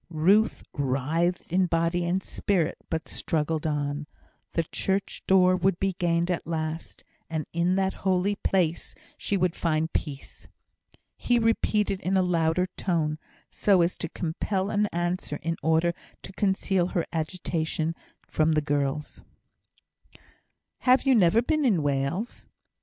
Ruth writhed in body and spirit, but struggled on. The church door would be gained at last; and in that holy place she would find peace. He repeated in a louder tone, so as to compel an answer in order to conceal her agitation from the girls: "Have you never been in Wales?"